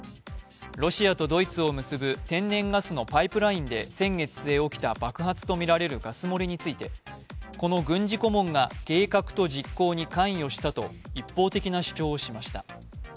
ロシアとドイツを結ぶ天然ガスのパイプラインで先月末起きた爆発とみられるガス漏れについてこの軍事顧問が計画と実行に関与したと一方的な主張をしました。